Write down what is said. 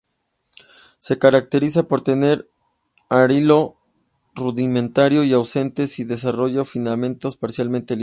Se caracteriza por tener arilo rudimentario o ausente, si desarrollado, filamentos parcialmente libres.